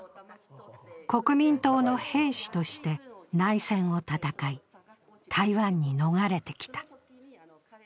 国民党の兵士として内戦を戦い、台湾に逃れてきた。